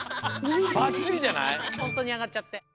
ほんとにあがっちゃって。